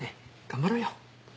頑張ろうよ。